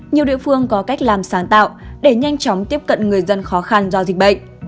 nhiều địa phương có cách làm sáng tạo để nhanh chóng tiếp cận người dân khó khăn do dịch bệnh